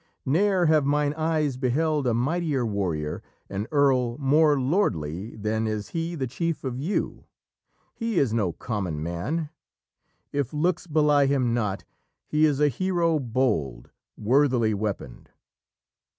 Ne'er have mine eyes beheld a mightier warrior, An earl more lordly than is he the chief of you; He is no common man; if looks belie him not, He is a hero bold, worthily weaponed.